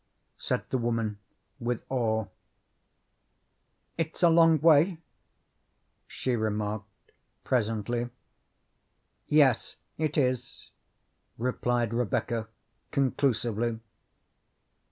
said the woman, with awe. "It's a long way," she remarked presently. "Yes, it is," replied Rebecca, conclusively.